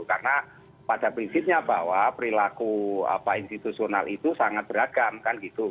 karena pada prinsipnya bahwa perilaku institusional itu sangat beragam kan gitu